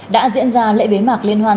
đã diễn ra lễ bế mạc liên hoan